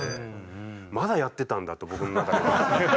まだやってたんだって僕の中では。